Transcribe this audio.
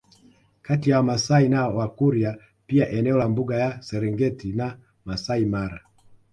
Kati ya wamasai na wakurya pia eneo la mbuga ya serengeti na masai mara